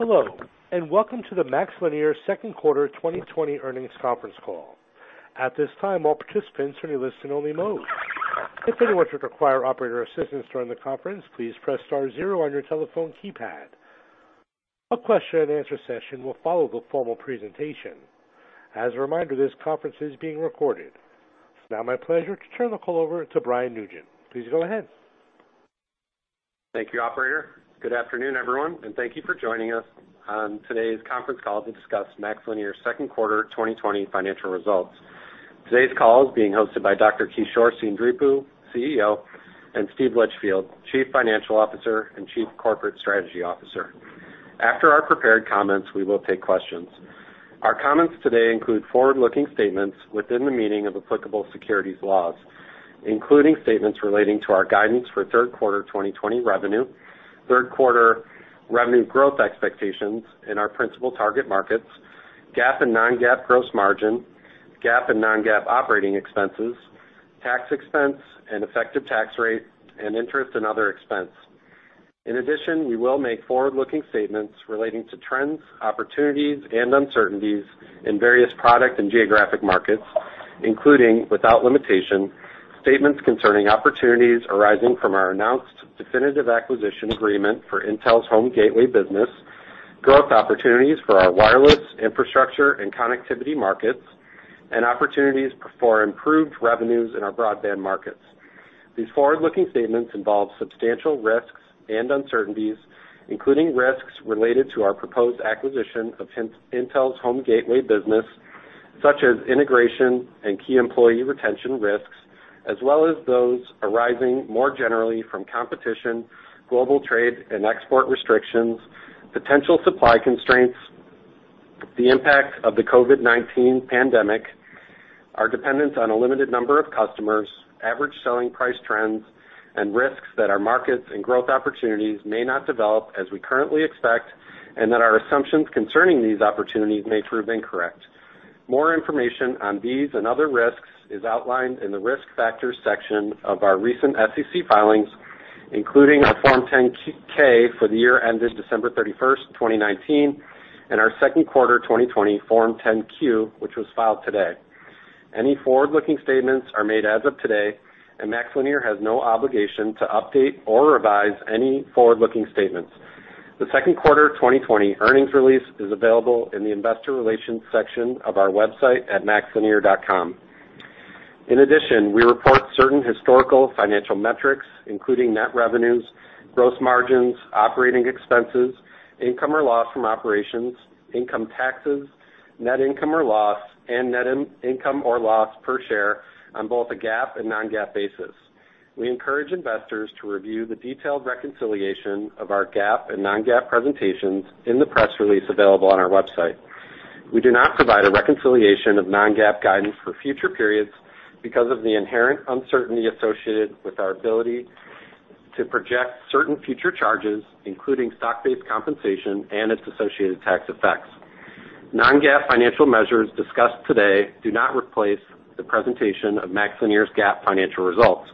Hello, welcome to the MaxLinear second quarter 2020 earnings conference call. At this time, all participants are in a listen only mode. If anyone should require operator assistance during the conference, please press star zero on your telephone keypad. A question-and-answer session will follow the formal presentation. As a reminder, this conference is being recorded. It's now my pleasure to turn the call over to Brian Nugent. Please go ahead. Thank you, operator. Good afternoon, everyone, and thank you for joining us on today's conference call to discuss MaxLinear's second quarter 2020 financial results. Today's call is being hosted by Dr. Kishore Seendripu, CEO, and Steve Litchfield, Chief Financial Officer and Chief Corporate Strategy Officer. After our prepared comments, we will take questions. Our comments today include forward-looking statements within the meaning of applicable securities laws, including statements relating to our guidance for third quarter 2020 revenue, third quarter revenue growth expectations in our principal target markets, GAAP and non-GAAP gross margin, GAAP and non-GAAP operating expenses, tax expense and effective tax rate, and interest and other expense. In addition, we will make forward-looking statements relating to trends, opportunities, and uncertainties in various product and geographic markets, including, without limitation, statements concerning opportunities arising from our announced definitive acquisition agreement for Intel's home gateway business, growth opportunities for our wireless infrastructure and connectivity markets, and opportunities for improved revenues in our broadband markets. These forward-looking statements involve substantial risks and uncertainties, including risks related to our proposed acquisition of Intel's home gateway business, such as integration and key employee retention risks, as well as those arising more generally from competition, global trade and export restrictions, potential supply constraints, the impact of the COVID-19 pandemic, our dependence on a limited number of customers, average selling price trends, and risks that our markets and growth opportunities may not develop as we currently expect, and that our assumptions concerning these opportunities may prove incorrect. More information on these and other risks is outlined in the Risk Factors section of our recent SEC filings, including our Form 10-K for the year ended December 31, 2019, and our second quarter 2020 Form 10-Q, which was filed today. Any forward-looking statements are made as of today. MaxLinear has no obligation to update or revise any forward-looking statements. The second quarter 2020 earnings release is available in the investor relations section of our website at maxlinear.com. In addition, we report certain historical financial metrics, including net revenues, gross margins, operating expenses, income or loss from operations, income taxes, net income or loss, and net income or loss per share on both a GAAP and non-GAAP basis. We encourage investors to review the detailed reconciliation of our GAAP and non-GAAP presentations in the press release available on our website. We do not provide a reconciliation of non-GAAP guidance for future periods because of the inherent uncertainty associated with our ability to project certain future charges, including stock-based compensation and its associated tax effects. Non-GAAP financial measures discussed today do not replace the presentation of MaxLinear's GAAP financial results.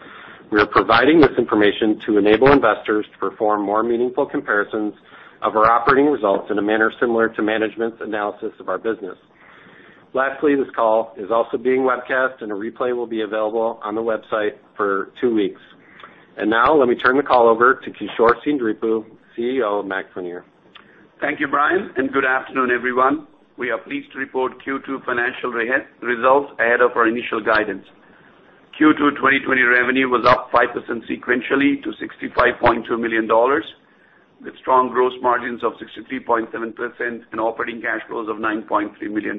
We are providing this information to enable investors to perform more meaningful comparisons of our operating results in a manner similar to management's analysis of our business. Lastly, this call is also being webcast, and a replay will be available on the website for two weeks. Now, let me turn the call over to Kishore Seendripu, CEO of MaxLinear. Thank you, Brian. Good afternoon, everyone. We are pleased to report Q2 financial results ahead of our initial guidance. Q2 2020 revenue was up 5% sequentially to $65.2 million, with strong gross margins of 63.7% and operating cash flows of $9.3 million.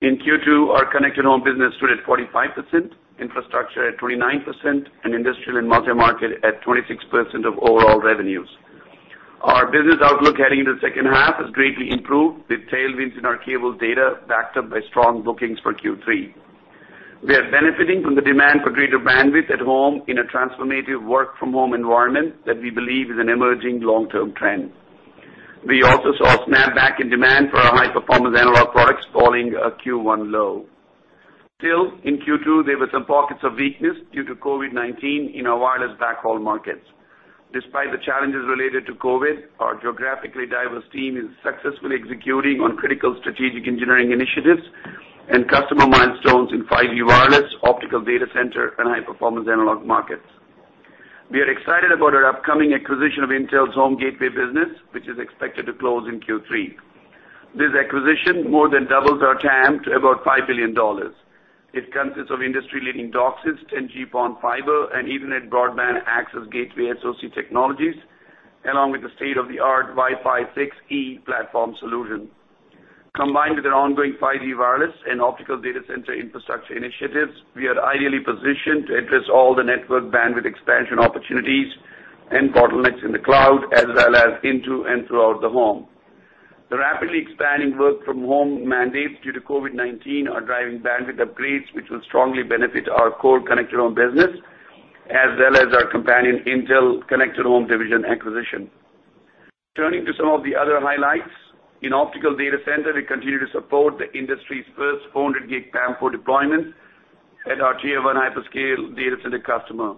In Q2, our Connected Home business stood at 45%, Infrastructure at 29%, and Industrial and Multi-Market at 26% of overall revenues. Our business outlook heading into the second half has greatly improved, with tailwinds in our cable data backed up by strong bookings for Q3. We are benefiting from the demand for greater bandwidth at home in a transformative work-from-home environment that we believe is an emerging long-term trend. We also saw a snapback in demand for our high-performance analog products following a Q1 low. Still, in Q2, there were some pockets of weakness due to COVID-19 in our wireless backhaul markets. Despite the challenges related to COVID, our geographically diverse team is successfully executing on critical strategic engineering initiatives and customer milestones in 5G wireless, optical data center, and high-performance analog markets. We are excited about our upcoming acquisition of Intel's home gateway business, which is expected to close in Q3. This acquisition more than doubles our TAM to about $5 billion. It consists of industry-leading DOCSIS, 10G-PON fiber, and Ethernet broadband access gateway SoC technologies, along with a state-of-the-art Wi-Fi 6E platform solution. Combined with our ongoing 5G wireless and optical data center infrastructure initiatives, we are ideally positioned to address all the network bandwidth expansion opportunities and bottlenecks in the cloud, as well as into and throughout the home. The rapidly expanding work-from-home mandates due to COVID-19 are driving bandwidth upgrades, which will strongly benefit our core Connected Home business, as well as our companion Intel Connected Home division acquisition. Turning to some of the other highlights. In optical data center, we continue to support the industry's first 400G PAM4 deployments at our Tier 1 hyperscale data center customer.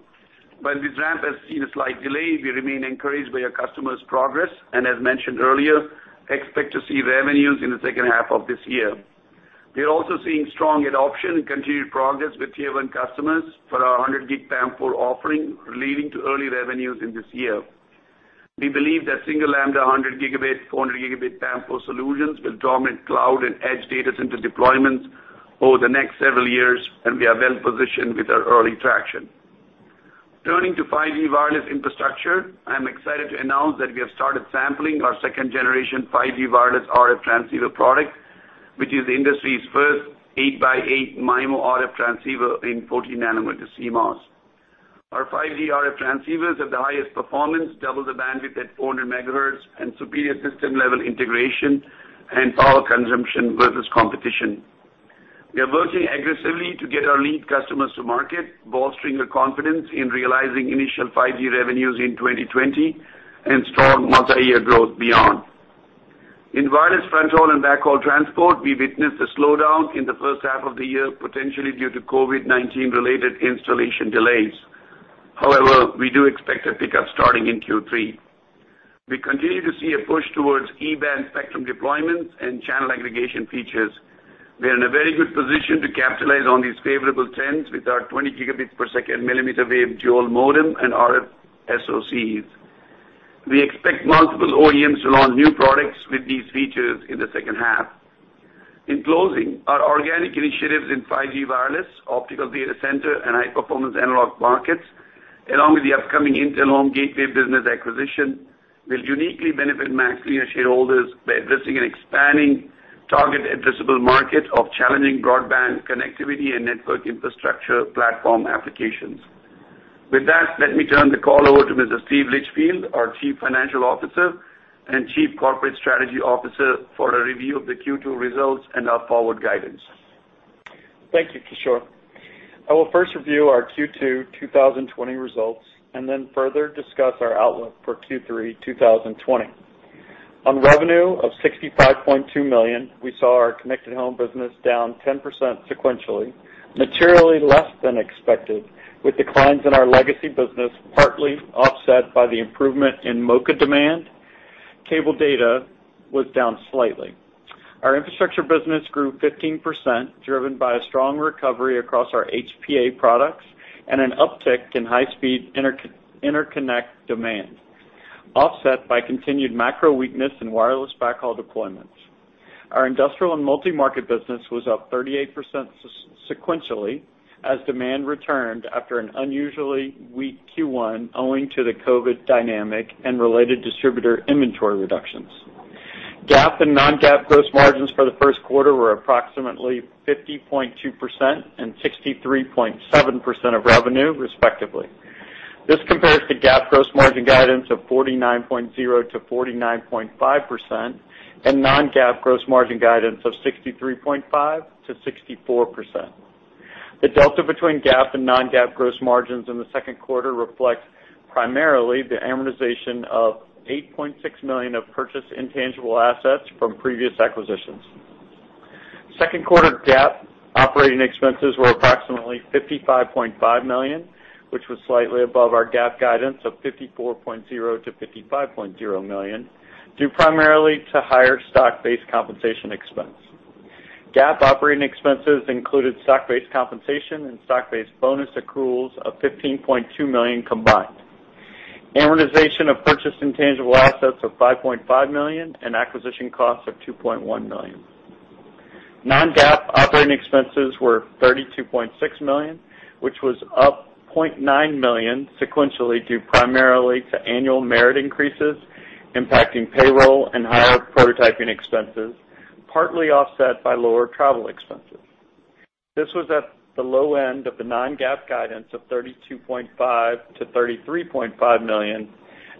While this ramp has seen a slight delay, we remain encouraged by our customer's progress, and as mentioned earlier, expect to see revenues in the second half of this year. We are also seeing strong adoption and continued progress with Tier 1 customers for our 100 G PAM4 offering, leading to early revenues in this year. We believe that single lambda 100 Gb, 400 Gb PAM4 solutions will dominate cloud and edge data center deployments over the next several years, and we are well-positioned with our early traction. Turning to 5G wireless infrastructure, I am excited to announce that we have started sampling our second-generation 5G wireless RF transceiver product, which is the industry's first 8x8 MIMO RF transceiver in 40 nm CMOS. Our 5G RF transceivers have the highest performance, double the bandwidth at 400 MHz, and superior system-level integration and power consumption versus competition. We are working aggressively to get our lead customers to market, bolstering the confidence in realizing initial 5G revenues in 2020 and strong multi-year growth beyond. In wireless front-haul and backhaul transport, we witnessed a slowdown in the first half of the year, potentially due to COVID-19-related installation delays. However, we do expect a pickup starting in Q3. We continue to see a push towards E-band spectrum deployments and channel aggregation features. We are in a very good position to capitalize on these favorable trends with our 20 Gbps mm wave dual modem and RF SoCs. We expect multiple OEMs to launch new products with these features in the second half. In closing, our organic initiatives in 5G wireless, optical data center, and high-performance analog markets, along with the upcoming Intel Home Gateway business acquisition, will uniquely benefit MaxLinear shareholders by addressing an expanding target addressable market of challenging broadband connectivity and network infrastructure platform applications. With that, let me turn the call over to Mr. Steve Litchfield, our Chief Financial Officer and Chief Corporate Strategy Officer, for a review of the Q2 results and our forward guidance. Thank you, Kishore. I will first review our Q2 2020 results and then further discuss our outlook for Q3 2020. On revenue of $65.2 million, we saw our Connected Home business down 10% sequentially, materially less than expected, with declines in our legacy business partly offset by the improvement in MoCA demand. Cable data was down slightly. Our Infrastructure business grew 15%, driven by a strong recovery across our HPA products and an uptick in high-speed interconnect demand, offset by continued macro weakness in wireless backhaul deployments. Our Industrial and Multi-Market business was up 38% sequentially, as demand returned after an unusually weak Q1 owing to the COVID dynamic and related distributor inventory reductions. GAAP and non-GAAP gross margins for the first quarter were approximately 50.2% and 63.7% of revenue, respectively. This compares to GAAP gross margin guidance of 49.0%-49.5% and non-GAAP gross margin guidance of 63.5%-64%. The delta between GAAP and non-GAAP gross margins in the second quarter reflect primarily the amortization of $8.6 million of purchased intangible assets from previous acquisitions. Second quarter GAAP operating expenses were approximately $55.5 million, which was slightly above our GAAP guidance of $54.0 million-$55.0 million, due primarily to higher stock-based compensation expense. GAAP operating expenses included stock-based compensation and stock-based bonus accruals of $15.2 million combined, amortization of purchased intangible assets of $5.5 million and acquisition costs of $2.1 million. Non-GAAP operating expenses were $32.6 million, which was up $0.9 million sequentially, due primarily to annual merit increases impacting payroll and higher prototyping expenses, partly offset by lower travel expenses. This was at the low end of the non-GAAP guidance of $32.5 million-$33.5 million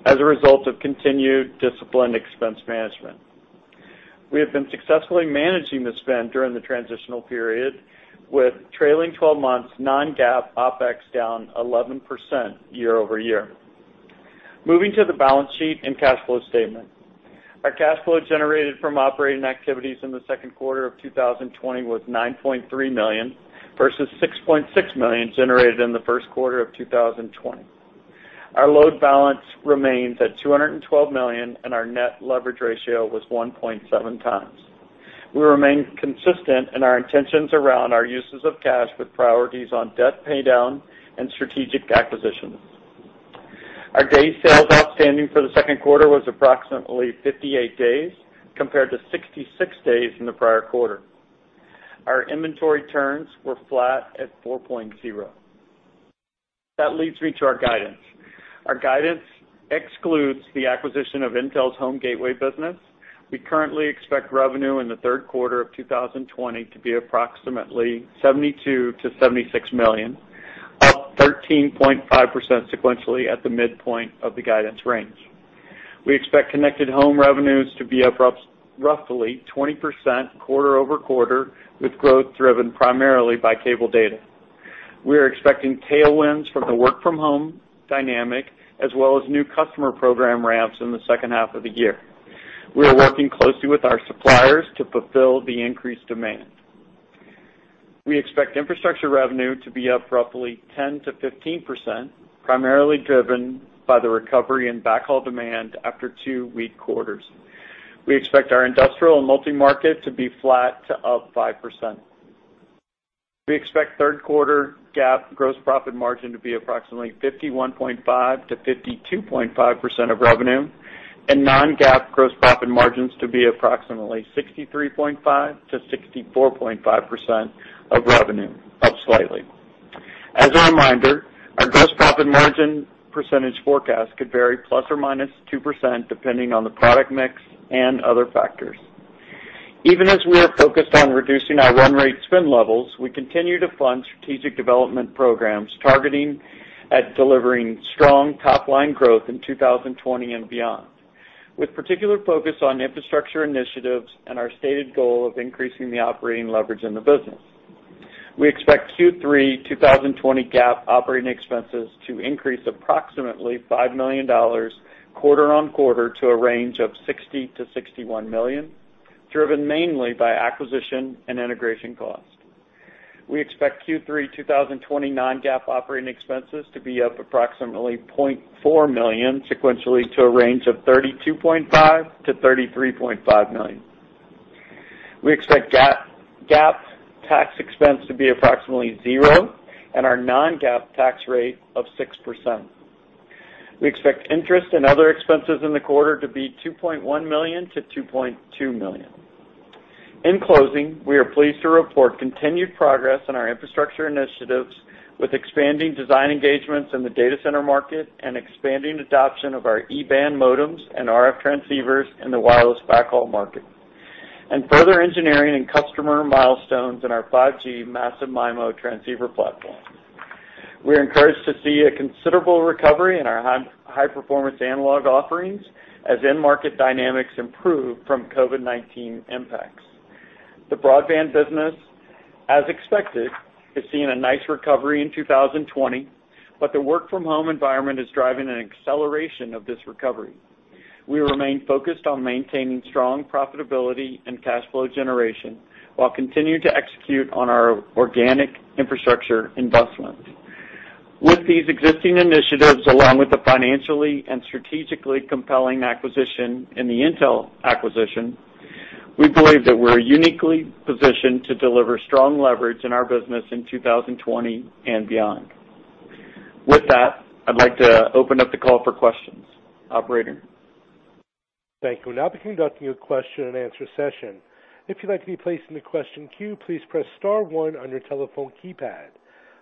as a result of continued disciplined expense management. We have been successfully managing the spend during the transitional period, with trailing 12 months non-GAAP OpEx down 11% year-over-year. Moving to the balance sheet and cash flow statement. Our cash flow generated from operating activities in the second quarter of 2020 was $9.3 million, versus $6.6 million generated in the first quarter of 2020. Our loan balance remains at $212 million, and our net leverage ratio was 1.7x. We remain consistent in our intentions around our uses of cash, with priorities on debt paydown and strategic acquisitions. Our day sales outstanding for the second quarter was approximately 58 days, compared to 66 days in the prior quarter. Our inventory turns were flat at 4.0x. That leads me to our guidance. Our guidance excludes the acquisition of Intel's Home Gateway business. We currently expect revenue in the third quarter of 2020 to be approximately $72 million-$76 million, up 13.5% sequentially at the midpoint of the guidance range. We expect Connected Home revenues to be up roughly 20% quarter-over-quarter, with growth driven primarily by cable data. We are expecting tailwinds from the work-from-home dynamic as well as new customer program ramps in the second half of the year. We are working closely with our suppliers to fulfill the increased demand. We expect Infrastructure revenue to be up roughly 10%-15%, primarily driven by the recovery in backhaul demand after two weak quarters. We expect our Industrial and Multi-Market to be flat to up 5%. We expect third quarter GAAP gross profit margin to be approximately 51.5%-52.5% of revenue, and non-GAAP gross profit margins to be approximately 63.5%-64.5% of revenue, up slightly. As a reminder, our gross profit margin percentage forecast could vary ±2%, depending on the product mix and other factors. Even as we are focused on reducing our run rate spend levels, we continue to fund strategic development programs targeting at delivering strong top-line growth in 2020 and beyond, with particular focus on Infrastructure initiatives and our stated goal of increasing the operating leverage in the business. We expect Q3 2020 GAAP operating expenses to increase approximately $5 million quarter-on-quarter to a range of $60 million-$61 million, driven mainly by acquisition and integration cost. We expect Q3 2020 non-GAAP operating expenses to be up approximately $0.4 million sequentially to a range of $32.5 million-$33.5 million. We expect GAAP tax expense to be approximately 0%, and our non-GAAP tax rate of 6%. We expect interest in other expenses in the quarter to be $2.1 million-$2.2 million. In closing, we are pleased to report continued progress on our Infrastructure initiatives, with expanding design engagements in the data center market and expanding adoption of our E-band modems and RF transceivers in the wireless backhaul market, and further engineering and customer milestones in our 5G massive MIMO transceiver platforms. We're encouraged to see a considerable recovery in our high-performance analog offerings, as end market dynamics improve from COVID-19 impacts. The broadband business, as expected, is seeing a nice recovery in 2020, but the work-from-home environment is driving an acceleration of this recovery. We remain focused on maintaining strong profitability and cash flow generation, while continuing to execute on our organic infrastructure investments. With these existing initiatives, along with the financially and strategically compelling acquisition in the Intel acquisition, we believe that we're uniquely positioned to deliver strong leverage in our business in 2020 and beyond. With that, I'd like to open up the call for questions. Operator? Thank you. We'll now be conducting a question-and-answer session. If you'd like to be placed in the question queue, please press star one on your telephone keypad.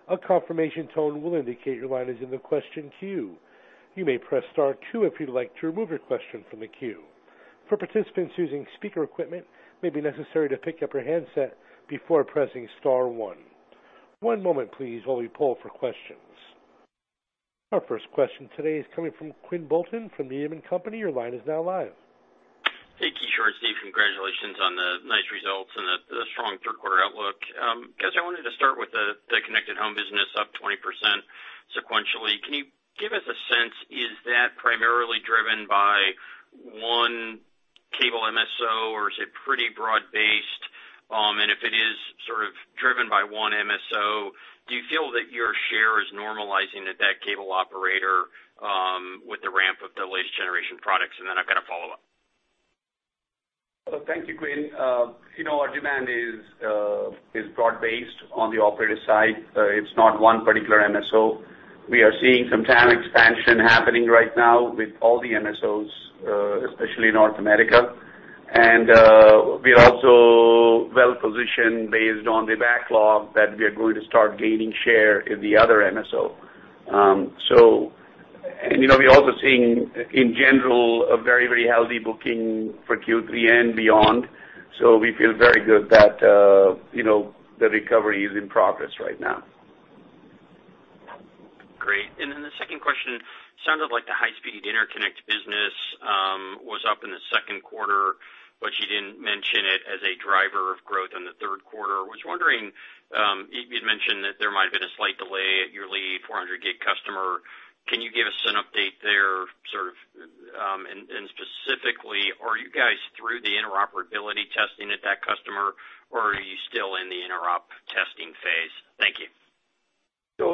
A confirmation tone will indicate your line is in the question queue. You may press star two if you'd like to remove your question from the queue. For participants using speaker equipment, it may be necessary to pick up your handset before pressing star one. One moment please while we poll for questions. Our first question today is coming from Quinn Bolton from Needham & Company. Your line is now live. Hey, Kishore and Steve. Congratulations on the nice results and the strong third quarter outlook. I guess I wanted to start with the Connected Home business up 20% sequentially. Can you give us a sense, is that primarily driven by one cable MSO or is it pretty broad-based? If it is sort of driven by one MSO, do you feel that your share is normalizing at that cable operator with the ramp of the latest generation products? I've got a follow-up. Thank you, Quinn. Our demand is broad-based on the operative side. It's not one particular MSO. We are seeing some TAM expansion happening right now with all the MSOs, especially North America. We are also well-positioned based on the backlog that we are going to start gaining share in the other MSO. We're also seeing, in general, a very healthy booking for Q3 and beyond, so we feel very good that the recovery is in progress right now. Great. The second question. Sounded like the high-speed interconnect business was up in the second quarter, but you didn't mention it as a driver of growth in the third quarter. Was wondering, you'd mentioned that there might have been a slight delay at your lead 400 G customer. Can you give us an update there, specifically, are you guys through the interoperability testing at that customer, or are you still in the interop testing phase? Thank you.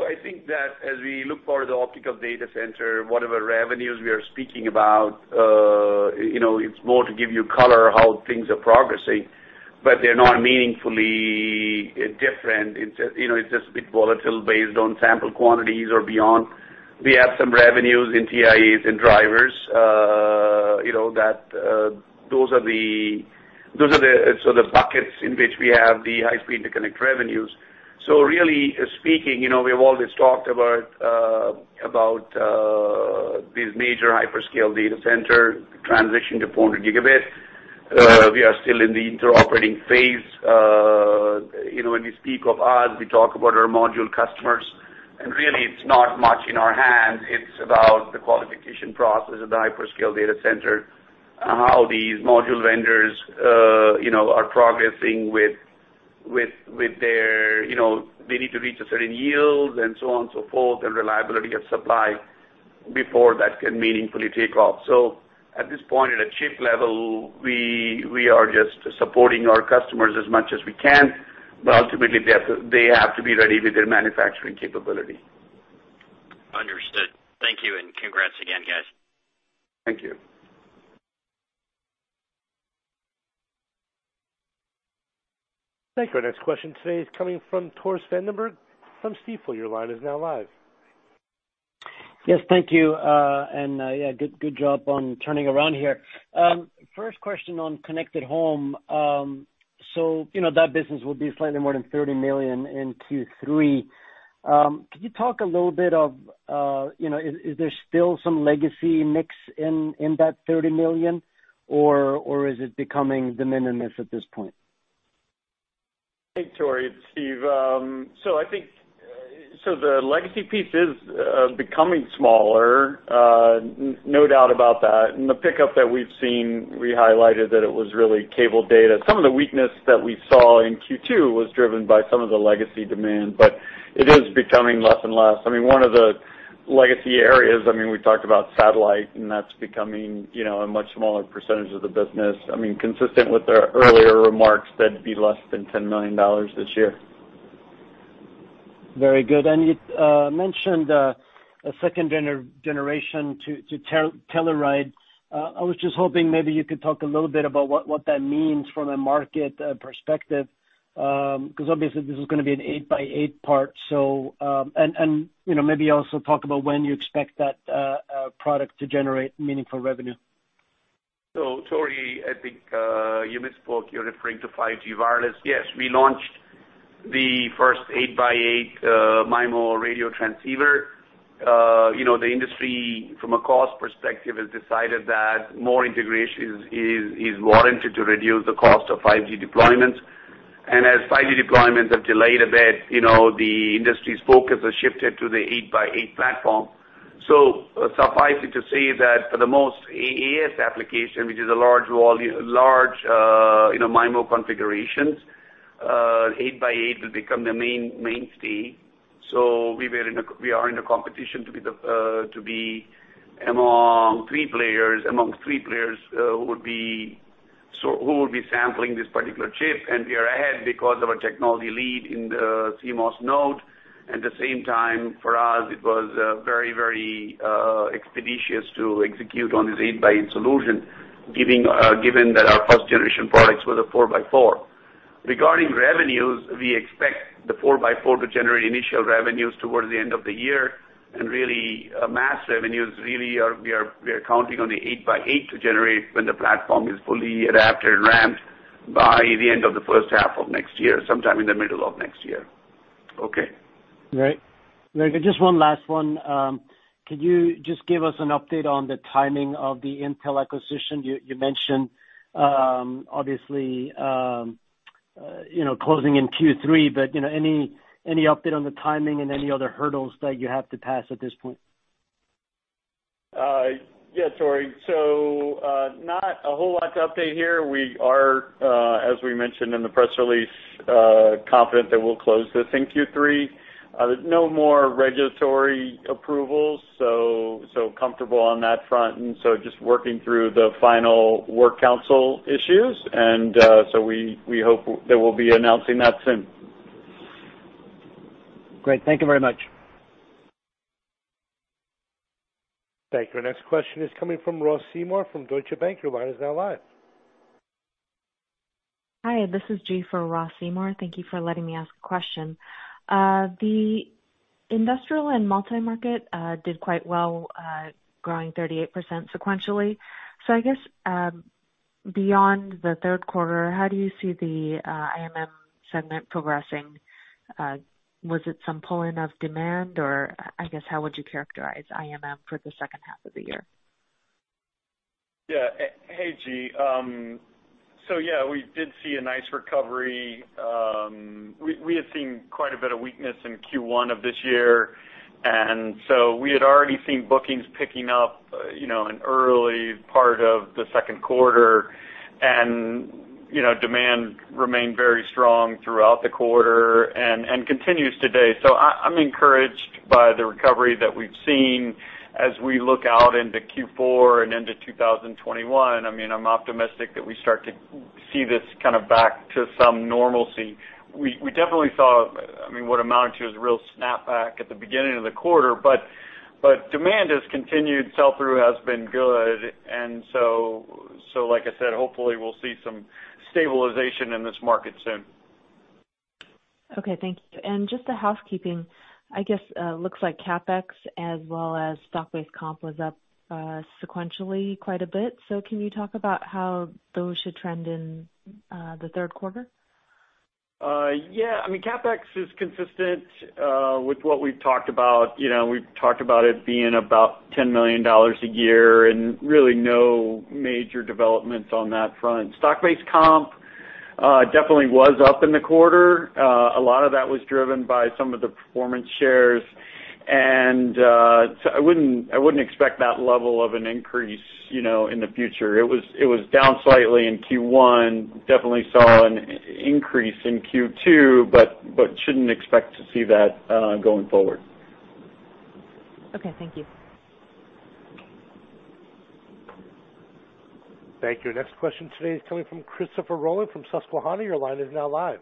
I think that as we look for the optical data center, whatever revenues we are speaking about, it's more to give you color how things are progressing, but they're not meaningfully different. It's just a bit volatile based on sample quantities or beyond. We have some revenues in TIAs and drivers. Those are the sort of buckets in which we have the high-speed interconnect revenues. Really speaking, we have always talked about these major hyperscale data center transition to 400 Gb. We are still in the interoperating phase. When we speak of us, we talk about our module customers. Really, it's not much in our hands. It's about the qualification process of the hyperscale center, how these module vendors are progressing with their need to reach a certain yield and so on and so forth, and reliability of supply before that can meaningfully take off. At this point, at a chip level, we are just supporting our customers as much as we can, but ultimately they have to be ready with their manufacturing capability. Understood. Thank you, and congrats again, guys. Thank you. Thank you. Our next question today is coming from Tore Svanberg from Stifel. Your line is now live. Yes. Thank you. Yeah, good job on turning around here. First question on Connected Home. That business will be slightly more than $30 million in Q3. Is there still some legacy mix in that $30 million or is it becoming de minimis at this point? Hey, Tore, it's Steve. I think the legacy piece is becoming smaller. No doubt about that. The pickup that we've seen, we highlighted that it was really cable data. Some of the weakness that we saw in Q2 was driven by some of the legacy demand, but it is becoming less and less. One of the legacy areas, we talked about satellite, and that's becoming a much smaller percentage of the business. Consistent with our earlier remarks, that'd be less than $10 million this year. Very good. You mentioned a second generation to Telluride. I was just hoping maybe you could talk a little bit about what that means from a market perspective, because obviously this is gonna be an 8x8 part. Maybe also talk about when you expect that product to generate meaningful revenue. Tore, I think, you misspoke. You're referring to 5G wireless. Yes, we launched the first 8x8 MIMO radio transceiver. The industry, from a cost perspective, has decided that more integration is warranted to reduce the cost of 5G deployments. As 5G deployments have delayed a bit, the industry's focus has shifted to the 8x8 platform. Suffice it to say that for the most AAS application, which is a large MIMO configurations, 8x8 will become the mainstay. We are in a competition to be among three players who will be sampling this particular chip, and we are ahead because of our technology lead in the CMOS node. At the same time, for us, it was very expeditious to execute on this 8x8 solution, given that our first generation products were the 4x4. Regarding revenues, we expect the 4x4 to generate initial revenues towards the end of the year, and really, mass revenues, really, we are counting on the 8x8 to generate when the platform is fully adapted and ramped by the end of the first half of next year, sometime in the middle of next year. Okay. Great. Just one last one. Could you just give us an update on the timing of the Intel acquisition? You mentioned, obviously, closing in Q3, but any update on the timing and any other hurdles that you have to pass at this point? Yeah, Tore. Not a whole lot to update here. We are, as we mentioned in the press release, confident that we'll close this in Q3. No more regulatory approvals, so comfortable on that front, and so just working through the final work council issues. We hope that we'll be announcing that soon. Great. Thank you very much. Thank you. Our next question is coming from Ross Seymore from Deutsche Bank. Your line is now live. Hi, this is Ji for Ross Seymore. Thank you for letting me ask a question. The Industrial and Multi-Market did quite well, growing 38% sequentially. I guess, beyond the third quarter, how do you see the IMM segment progressing? Was it some pulling of demand or, I guess, how would you characterize IMM for the second half of the year? Yeah. Hey, Ji. Yeah, we did see a nice recovery. We had seen quite a bit of weakness in Q1 of this year. We had already seen bookings picking up in early part of the second quarter. Demand remained very strong throughout the quarter and continues today. I'm encouraged by the recovery that we've seen as we look out into Q4 and into 2021. I'm optimistic that we start to see this kind of back to some normalcy. We definitely saw what amounted to as a real snap back at the beginning of the quarter. Demand has continued. Sell-through has been good. Like I said, hopefully we'll see some stabilization in this market soon. Okay, thank you. Just a housekeeping, I guess, looks like CapEx as well as stock-based comp was up sequentially quite a bit. Can you talk about how those should trend in the third quarter? Yeah. CapEx is consistent with what we've talked about. We've talked about it being about $10 million a year and really no major developments on that front. Stock-based comp definitely was up in the quarter. A lot of that was driven by some of the performance shares. I wouldn't expect that level of an increase in the future. It was down slightly in Q1, definitely saw an increase in Q2, but shouldn't expect to see that going forward. Okay. Thank you. Thank you. Next question today is coming from Christopher Rolland from Susquehanna. Your line is now live.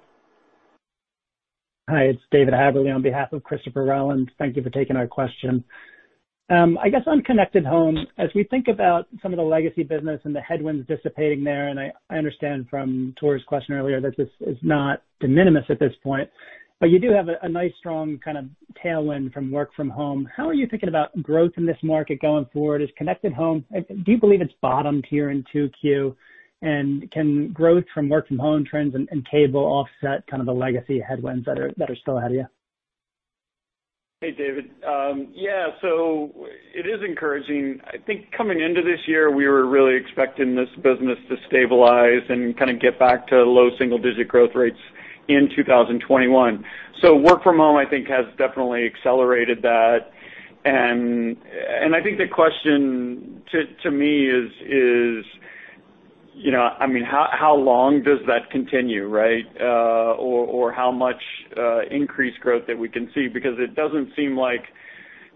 Hi, it's David Haberle on behalf of Christopher Rolland. Thank you for taking our question. I guess on Connected Home, as we think about some of the legacy business and the headwinds dissipating there, I understand from Tore's question earlier that this is not de minimis at this point, but you do have a nice strong kind of tailwind from work from home. How are you thinking about growth in this market going forward? Is Connected Home, do you believe it's bottomed here in 2Q, and can growth from work from home trends and cable offset kind of the legacy headwinds that are still ahead of you? Hey, David. Yeah, it is encouraging. I think coming into this year, we were really expecting this business to stabilize and kind of get back to low single-digit growth rates in 2021. Work from home, I think, has definitely accelerated that. I think the question to me is, how long does that continue, right? How much increased growth that we can see? Because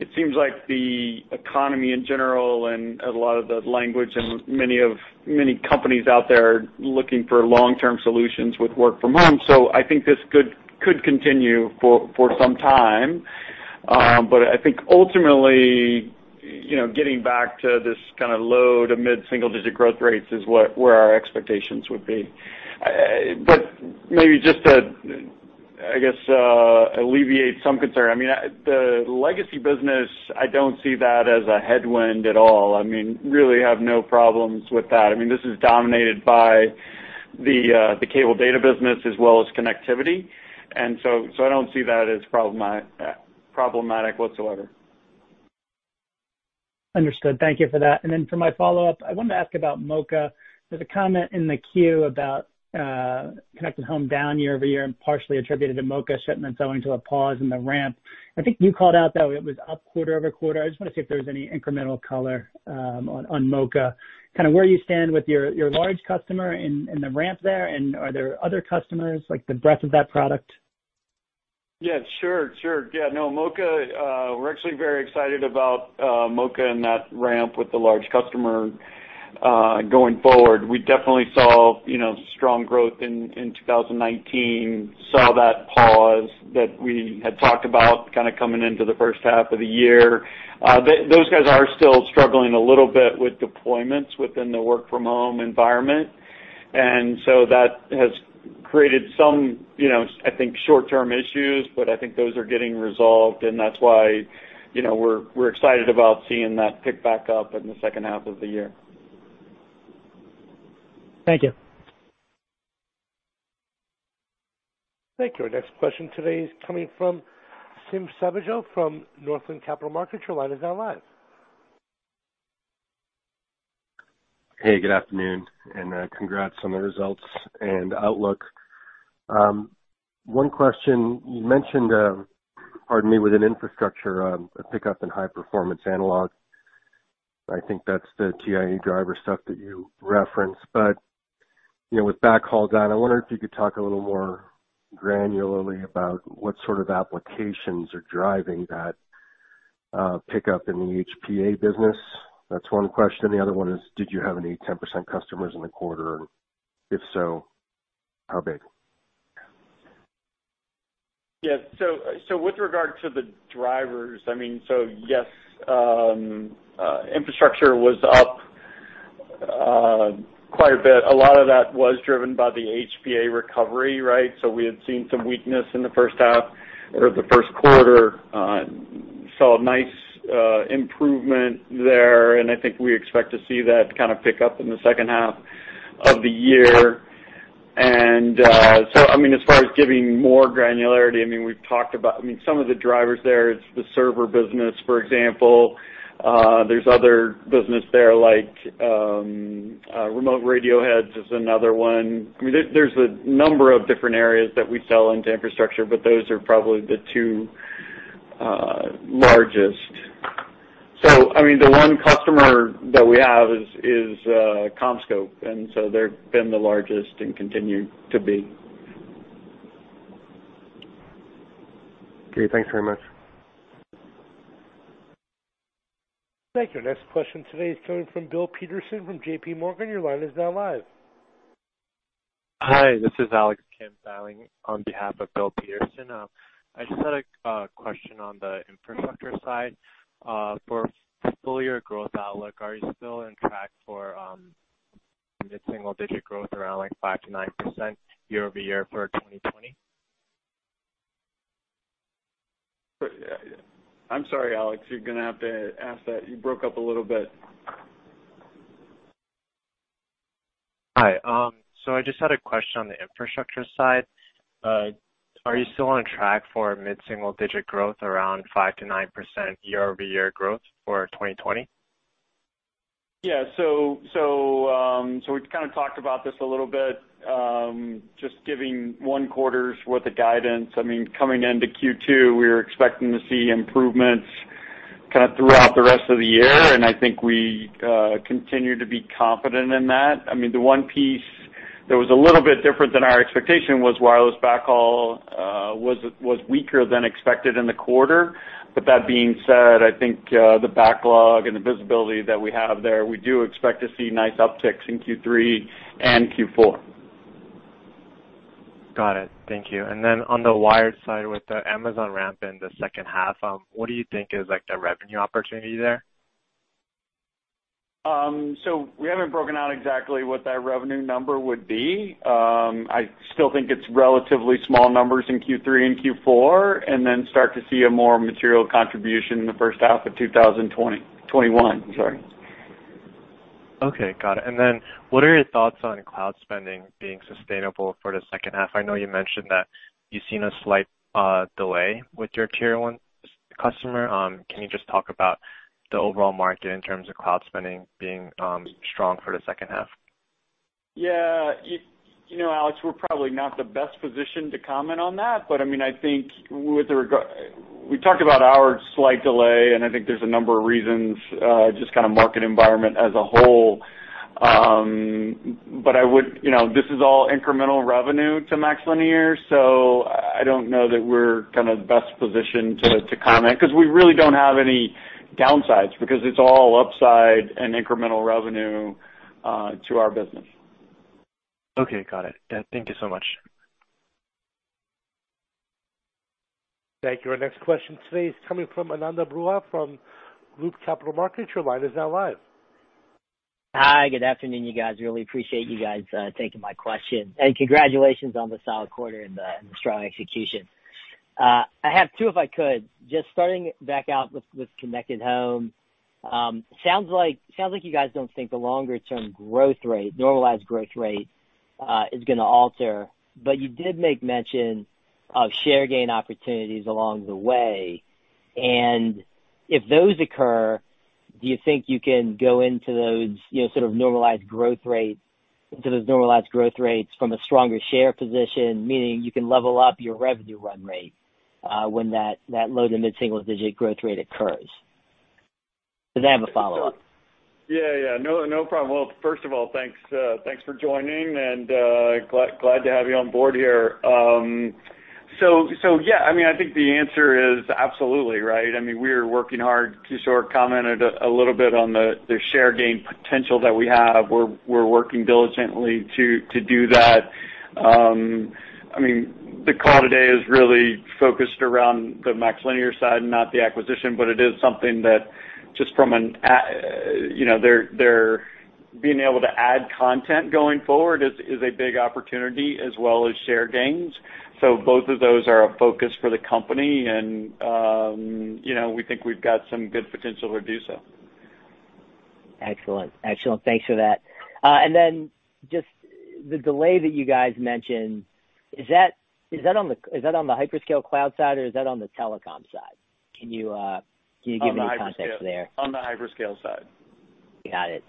it seems like the economy in general and a lot of the language and many companies out there are looking for long-term solutions with work from home. I think this could continue for some time. I think ultimately, getting back to this kind of low to mid-single digit growth rates is where our expectations would be. Maybe just to, I guess, alleviate some concern, the legacy business, I don't see that as a headwind at all. Really have no problems with that. This is dominated by the cable data business as well as connectivity. I don't see that as problematic whatsoever. Understood. Thank you for that. For my follow-up, I wanted to ask about MoCA. There's a comment in the queue about Connected Home down year-over-year and partially attributed to MoCA shipments owing to a pause in the ramp. I think you called out that it was up quarter-over-quarter. I just want to see if there was any incremental color on MoCA, kind of where you stand with your large customer and the ramp there. Are there other customers, like the breadth of that product? Yeah, sure. MoCA, we're actually very excited about MoCA and that ramp with the large customer going forward. We definitely saw strong growth in 2019. Saw that pause that we had talked about kind of coming into the first half of the year. Those guys are still struggling a little bit with deployments within the work from home environment. That has created some, I think, short-term issues, but I think those are getting resolved, and that's why we're excited about seeing that pick back up in the second half of the year. Thank you. Thank you. Our next question today is coming from Tim Savageaux from Northland Capital Markets. Your line is now live. Hey, good afternoon. Congrats on the results and outlook. One question. You mentioned, pardon me, within Infrastructure, a pickup in high-performance analog. I think that's the TIA driver stuff that you referenced. With backhaul gone, I wonder if you could talk a little more granularly about what sort of applications are driving that pickup in the HPA business. That's one question. The other one is, did you have any 10% customers in the quarter, and if so, how big? Yeah. With regard to the drivers, yes, Infrastructure was up quite a bit. A lot of that was driven by the HPA recovery, right? We had seen some weakness in the first half or the first quarter. Saw a nice improvement there, and I think we expect to see that kind of pick up in the second half of the year. As far as giving more granularity, we've talked about some of the drivers there. It's the server business, for example. There's other business there, like remote radio heads is another one. There's a number of different areas that we sell into Infrastructure, but those are probably the two largest. The one customer that we have is CommScope, they've been the largest and continue to be. Okay, thanks very much. Thank you. Next question today is coming from Bill Peterson from JPMorgan. Your line is now live. Hi, this is Alex Kim dialing on behalf of Bill Peterson. I just had a question on the Infrastructure side. For full year growth outlook, are you still on track for mid-single digit growth around, like, 5%-9% year over year for 2020? I'm sorry, Alex, you're going to have to ask that. You broke up a little bit. Hi. I just had a question on the Infrastructure side. Are you still on track for mid-single digit growth around 5%-9% year-over-year growth for 2020? We've kind of talked about this a little bit, just giving one quarter's worth of guidance. Coming into Q2, we were expecting to see improvements kind of throughout the rest of the year, and I think we continue to be confident in that. The one piece that was a little bit different than our expectation was wireless backhaul was weaker than expected in the quarter. That being said, I think the backlog and the visibility that we have there, we do expect to see nice upticks in Q3 and Q4. Got it. Thank you. On the wired side with the Amazon ramp in the second half, what do you think is the revenue opportunity there? We haven't broken out exactly what that revenue number would be. I still think it's relatively small numbers in Q3 and Q4, and then start to see a more material contribution in the first half of 2021, I'm sorry. Okay, got it. What are your thoughts on cloud spending being sustainable for the second half? I know you mentioned that you've seen a slight delay with your Tier 1 customer. Can you just talk about the overall market in terms of cloud spending being strong for the second half? Yeah. Alex, we're probably not the best positioned to comment on that. We talked about our slight delay, I think there's a number of reasons, just kind of market environment as a whole. This is all incremental revenue to MaxLinear, I don't know that we're best positioned to comment, because we really don't have any downsides because it's all upside and incremental revenue to our business. Okay, got it. Thank you so much. Thank you. Our next question today is coming from Ananda Baruah from Loop Capital Markets. Your line is now live. Hi, good afternoon, you guys. Really appreciate you guys taking my question. Congratulations on the solid quarter and the strong execution. I have two, if I could. Just starting back out with Connected Home. Sounds like you guys don't think the longer-term growth rate, normalized growth rate, is going to alter. You did make mention of share gain opportunities along the way. If those occur, do you think you can go into those sort of normalized growth rates from a stronger share position, meaning you can level up your revenue run rate when that low to mid-single-digit growth rate occurs? I have a follow-up. Yeah. No problem. Well, first of all, thanks for joining, and glad to have you on board here. Yeah, I think the answer is absolutely, right? We're working hard. Kishore commented a little bit on the share gain potential that we have. We're working diligently to do that. The call today is really focused around the MaxLinear side and not the acquisition, but it is something that just They're being able to add content going forward is a big opportunity as well as share gains. Both of those are a focus for the company and we think we've got some good potential to do so. Excellent. Thanks for that. Just the delay that you guys mentioned, is that on the hyperscale cloud side or is that on the telecom side? Can you give me the context there? On the hyperscale side. Got it.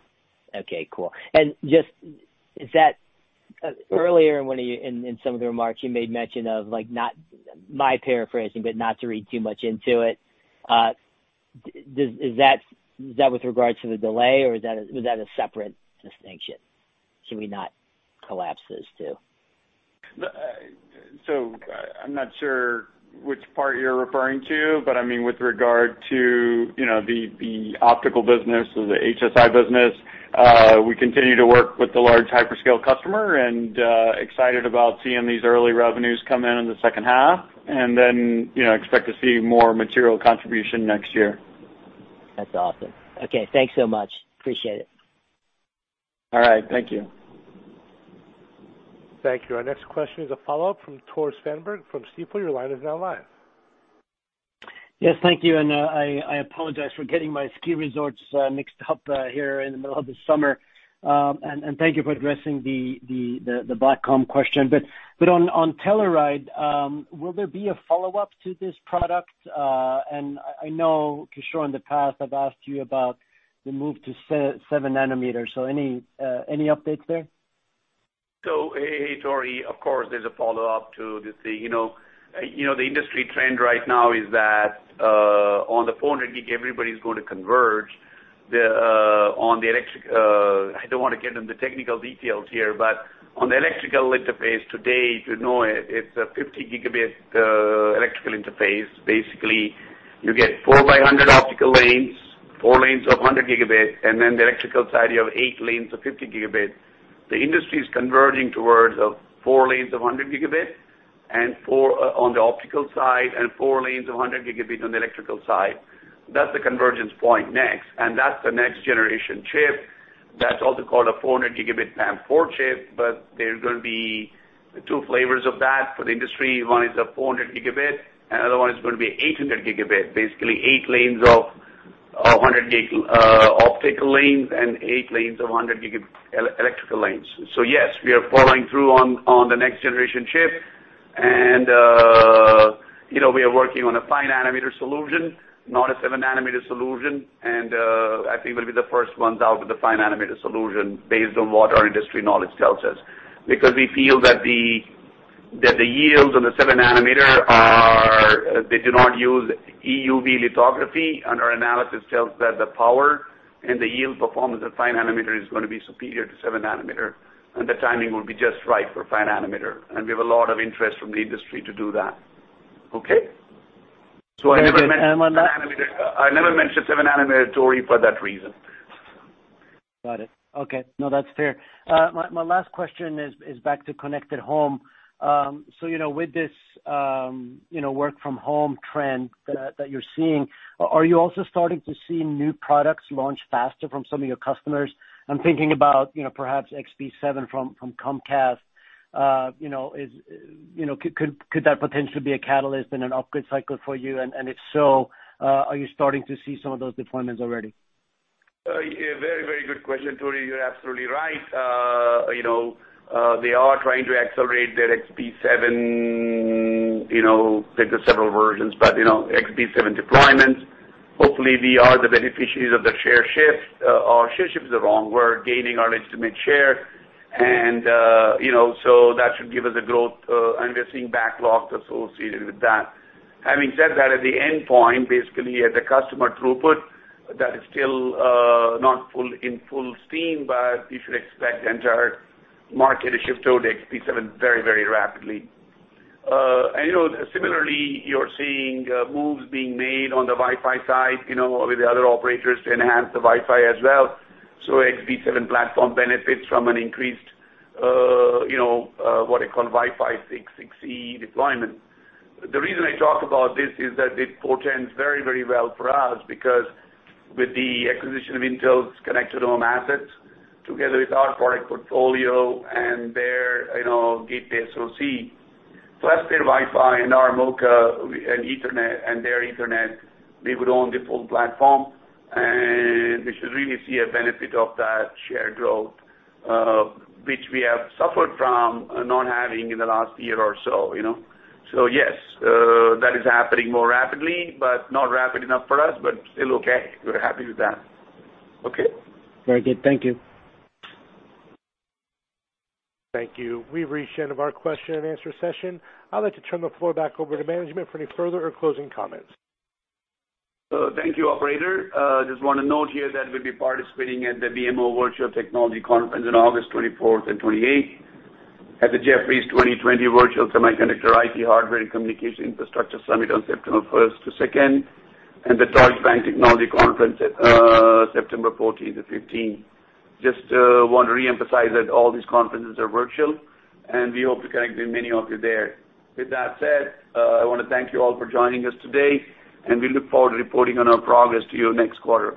Okay, cool. Just, earlier in some of the remarks you made mention of, my paraphrasing, but not to read too much into it. Is that with regards to the delay or is that a separate distinction? Should we not collapse those two? I'm not sure which part you're referring to, but with regard to the optical business or the HSI business, we continue to work with the large hyperscale customer and excited about seeing these early revenues come in in the second half and then expect to see more material contribution next year. That's awesome. Okay, thanks so much. Appreciate it. All right. Thank you. Thank you. Our next question is a follow-up from Tore Svanberg from Stifel. Your line is now live. Yes, thank you. I apologize for getting my ski resorts mixed up here in the middle of the summer. Thank you for addressing the Broadcom question. On Telluride, will there be a follow-up to this product? I know, Kishore, in the past, I've asked you about the move to 7 nm. Any updates there? Hey, Tore. Of course, there's a follow-up to this thing. The industry trend right now is that on the 400 G, everybody's going to converge on the electrical interface. I don't want to get into the technical details here, but on the electrical interface today, if you know it's a 50 Gb electrical interface. Basically, you get 4x100 optical lanes, four lanes of 100 Gb, and then the electrical side, you have eight lanes of 50 Gb. The industry is converging towards four lanes of 100 Gb on the optical side and four lanes of 100 Gb on the electrical side. That's the convergence point next. That's the next generation chip. That's also called a 400 Gb PAM4 chip. There's going to be two flavors of that for the industry. One is a 400 Gb, another one is going to be 800 Gb, basically eight lanes of 100 optical lanes and eight lanes of 100 electrical lanes. Yes, we are following through on the next generation chip. We are working on a 5 nm solution, not a 7 nm solution, and I think we'll be the first ones out with the 5 nm solution based on what our industry knowledge tells us. We feel that the yields on the 7 nm do not use EUV lithography, and our analysis tells that the power and the yield performance of 5 nm is going to be superior to 7 nm, and the timing will be just right for 5 nm, and we have a lot of interest from the industry to do that. Okay? Very good. I never mentioned 7 nm, Tore, for that reason. Got it. Okay. No, that's fair. My last question is back to Connected Home. With this work from home trend that you're seeing, are you also starting to see new products launch faster from some of your customers? I'm thinking about perhaps XB7 from Comcast. Could that potentially be a catalyst and an upgrade cycle for you? If so, are you starting to see some of those deployments already? A very good question, Tore. You're absolutely right. They are trying to accelerate their XB7, there are several versions, but XB7 deployments. Hopefully, we are the beneficiaries of the share shift. Share shift is the wrong word, gaining our legitimate share and that should give us a growth, and we are seeing backlogs associated with that. Having said that, at the endpoint, basically at the customer throughput, that is still not in full steam, but we should expect the entire market to shift over to XB7 very rapidly. Similarly, you're seeing moves being made on the Wi-Fi side, with the other operators to enhance the Wi-Fi as well. XB7 platform benefits from an increased, what I call Wi-Fi 6/6E deployment. The reason I talk about this is that it portends very well for us because with the acquisition of Intel's Connected Home assets together with our product portfolio and their gateway SoC. That's their Wi-Fi and our MoCA and Ethernet and their Ethernet, we would own the full platform, and we should really see a benefit of that shared growth, which we have suffered from not having in the last year or so. Yes, that is happening more rapidly, but not rapid enough for us, but still okay. We're happy with that. Okay. Very good. Thank you. Thank you. We've reached the end of our question-and-answer session. I'd like to turn the floor back over to management for any further or closing comments. Thank you, operator. Just want to note here that we'll be participating at the BMO Virtual Technology Summit on August 24th and 28th, at the Jefferies 2020 Virtual Semiconductor, IT, Hardware, and Communication Infrastructure Summit on September 1st-2nd, and the Deutsche Bank Technology Conference, September 14th-15th. Just want to reemphasize that all these conferences are virtual, and we hope to connect with many of you there. With that said, I want to thank you all for joining us today, and we look forward to reporting on our progress to you next quarter.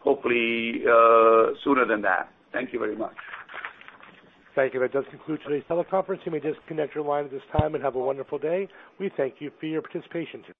Hopefully, sooner than that. Thank you very much. Thank you. That does conclude today's teleconference. You may disconnect your lines at this time, and have a wonderful day. We thank you for your participation today.